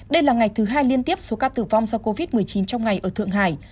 đây là ngày thứ hai liên tiếp số ca tử vong do covid một mươi chín trong ngày ở thượng hải